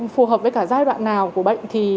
phù hợp với cả giai đoạn nào của bệnh